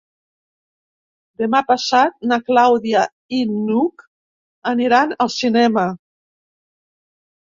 Demà passat na Clàudia i n'Hug aniran al cinema.